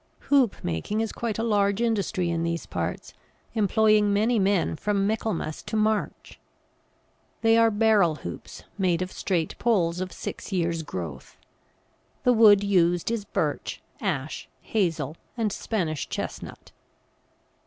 Hoop making is quite a large industry in these parts, employing many men from Michaelmas to March. They are barrel hoops, made of straight poles of six years' growth. The wood used is Birch, Ash, Hazel and Spanish Chestnut.